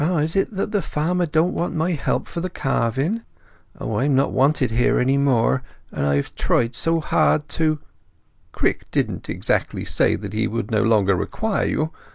Ah—is it that the farmer don't want my help for the calving? O, I am not wanted here any more! And I have tried so hard to—" "Crick didn't exactly say that he would no longer require you.